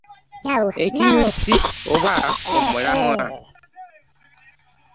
Ekinyusi oba omulamwa .